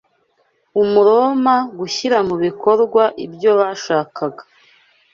Umuroma gushyira mu bikorwa ibyo bashakaga